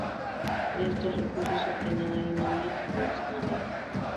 De estos recursos obtenían harina, miel, licores, y madera.